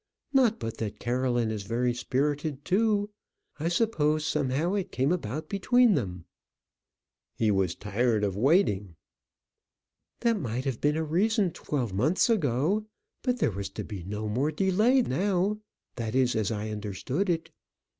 Not but that Caroline is very spirited too: I suppose somehow it came about between them." "He was tired of waiting." "That might have been a reason twelve months ago, but there was to be no more delay now; that is as I understood it.